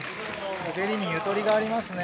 滑りにゆとりがありますね。